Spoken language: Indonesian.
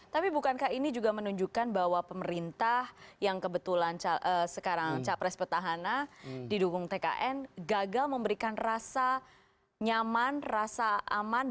tapi bukankah ini juga menunjukkan bahwa pemerintah yang kebetulan sekarang capres petahana didukung tkn gagal memberikan rasa nyaman rasa aman